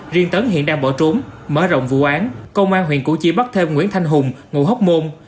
riêng tấn hiện đang bỏ trốn mở rộng vụ án công an huyện củ chi bắt thêm nguyễn thanh hùng ngụ hóc môn